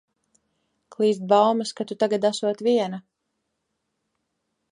Klīst baumas, ka tu tagad esot viena.